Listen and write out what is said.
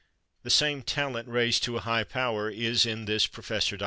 The same talent, raised to a high power, is in this Prof. Dr.